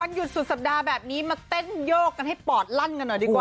หยุดสุดสัปดาห์แบบนี้มาเต้นโยกกันให้ปอดลั่นกันหน่อยดีกว่า